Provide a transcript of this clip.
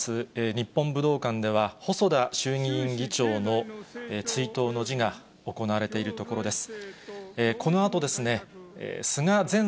日本武道館では、細田衆議院議長の追悼の辞が行われているところです。